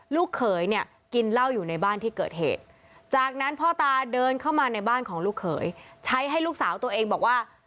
ลูกเขยเนี่ยกินเหล้าอยู่ในบ้านที่เกิดเหตุจากนั้นพ่อตาเดินเข้ามาในบ้านของลูกเขยใช้ให้ลูกสาวตัวเองบอกว่า